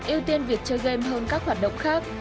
ưu tiên việc chơi game hơn các hoạt động khác